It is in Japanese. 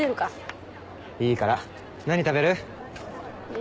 いいから。何食べる？え